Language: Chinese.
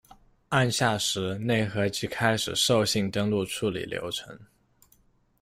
按下时，内核即开始受信登录处理流程。